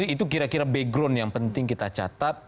itu kira kira background yang penting kita catat